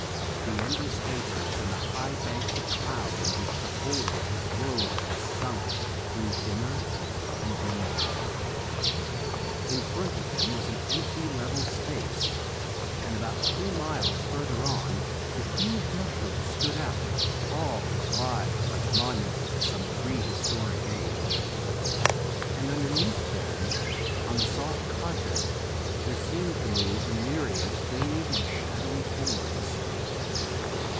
The endless vapours and the high banks of cloud in which the whole of this world was sunk grew dimmer and dimmer. In front of him was an empty level space, and about two miles further on the huge mushrooms stood out, tall and wide like the monuments of some prehistoric age. And underneath them on the soft carpet there seemed to move a myriad vague and shadowy forms.